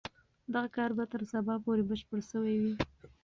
دغه کار به تر سبا پورې بشپړ سوی وي.